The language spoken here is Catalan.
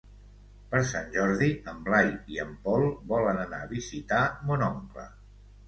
Per Sant Jordi en Blai i en Pol volen anar a visitar mon oncle.